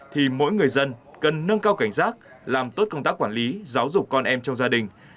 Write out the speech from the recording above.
thì mỗi người dân cần nâng cao cảnh giác làm tốt công tác quản lý giáo dục con em trong gia đình